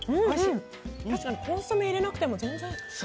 コンソメ入れなくても全然。